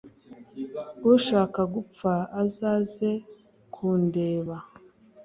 ushaka gupfa azaze kundebas